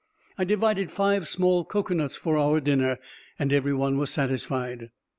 I divided five small cocoa nuts for our dinner, and every one was satisfied.